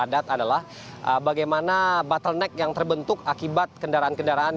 padat adalah bagaimana bottleneck yang terbentuk akibat kendaraan kendaraan